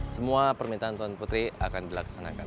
semua permintaan tuhan putri kita agin dilaksanakan